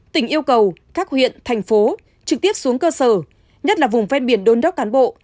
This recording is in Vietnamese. tỉnh yêu cầu các huyện thành phố trực tiếp xuống cơ sở nhất là vùng ven biển đôn đốc cán bộ